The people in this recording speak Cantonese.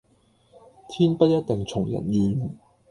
天不一定從人願